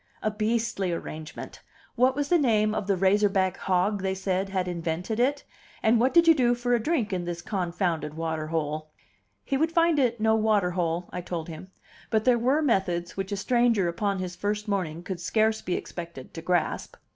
A beastly arrangement. What was the name of the razor back hog they said had invented it? And what did you do for a drink in this confounded water hole? He would find it no water hole, I told him; but there were methods which a stranger upon his first morning could scarce be expected to grasp.